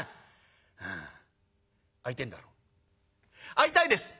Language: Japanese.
「会いたいです！」。